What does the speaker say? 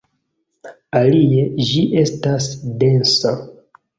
Alie, ĝi estas densa.